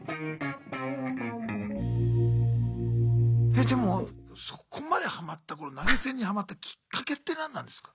えでもそこまでハマったこの投げ銭にハマったきっかけって何なんですか？